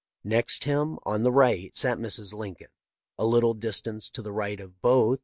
Next him, on the right, sat Mrs. Lincoln. A little distance to the right of both.